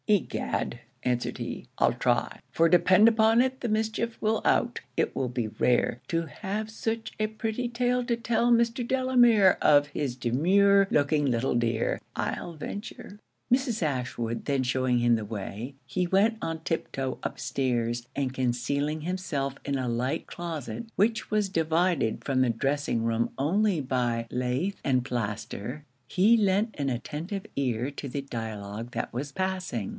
'Egad,' answered he, 'I'll try for depend upon it the mischief will out. It will be rare, to have such a pretty tale to tell Mr. Delamere of his demure looking little dear. I'll venture.' Mrs. Ashwood then shewing him the way, he went on tip toe up stairs, and concealing himself in a light closet which was divided from the dressing room only by lath and plaister, he lent an attentive ear to the dialogue that was passing.